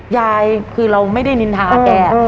ยายคือเราไม่ได้นินทาแก